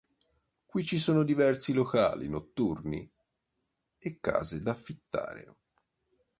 Qui ci sono diversi locali notturni e case da affittare.